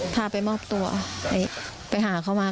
พาไปมอบตัวไปหาเขามา